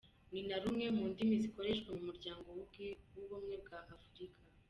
"Ni na rumwe mu ndimi zikoreshwa mu muryango w'Ubumwe bw'Afurika.